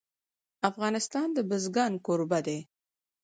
افغانستان د بزګان کوربه دی.